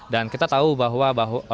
dan kita tahu bahwa